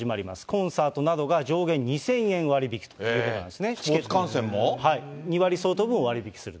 コンサートなどが上限２０００円割引ということなんですね。